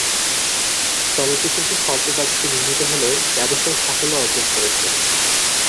চলচ্চিত্রটি স্বল্প বাজেটে নির্মিত হলেও ব্যবসায়িক সাফল্য অর্জন করে।